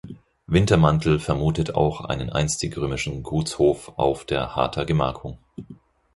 Wintermantel vermutet auch einen einstigen römischen Gutshof auf der Harter Gemarkung.